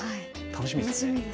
楽しみですね。